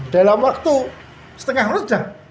dalam waktu setengah rojah